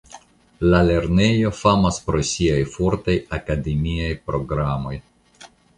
La lernejo famas pro siaj fortaj akademiaj programoj.